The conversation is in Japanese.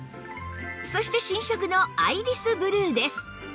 そして新色のアイリスブルーです